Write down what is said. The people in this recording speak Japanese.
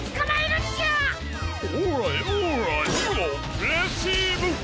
レシーブ！